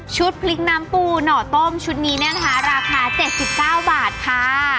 พริกน้ำปูหน่อต้มชุดนี้เนี่ยนะคะราคา๗๙บาทค่ะ